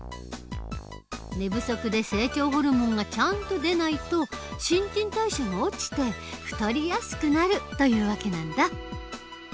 寝不足で成長ホルモンがちゃんと出ないと新陳代謝が落ちて太りやすくなるという訳なんだ。